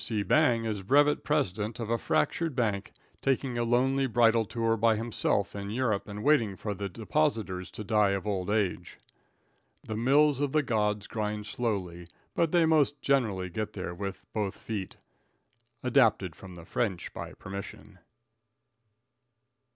C. Bang is brevet president of a fractured bank, taking a lonely bridal tour by himself in Europe and waiting for the depositors to die of old age. The mills of the gods grind slowly, but they most generally get there with both feet. (Adapted from the French by permission.)